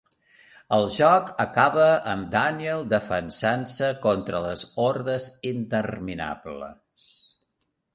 El joc acaba amb Daniel defensant-se contra les hordes interminables.